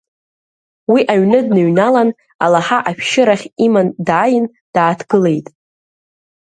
Уи аҩаны дныҩналан, алаҳа ашәшьырахь иман дааин дааҭгылеит…